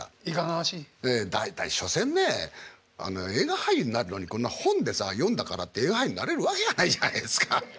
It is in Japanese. ええ大体所詮ね映画俳優になるのにこんな本でさ読んだからって映画俳優になれるわけがないじゃないですか。